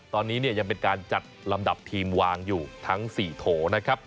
ตอนนี้เนี่ยยังเป็นการจัดลำดับทีมวางอยู่ทั้ง๔โถนะครับ